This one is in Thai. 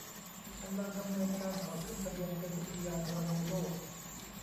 กำลังดำเนินการขอขึ้นทะเบียนเป็นอุทยานธรณีโลก